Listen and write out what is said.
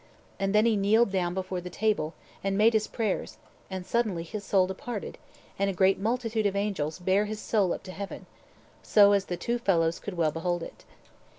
And then he kneeled down before the table, and made his prayers, and suddenly his soul departed, and a great multitude of angels bare his soul up to heaven, so as the two fellows could well behold it.